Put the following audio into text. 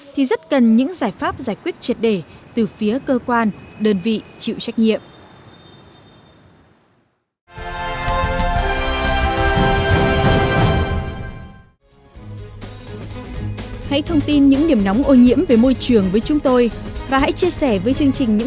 thì rất cần những giải pháp giải quyết triệt đề từ phía cơ quan đơn vị chịu trách nhiệm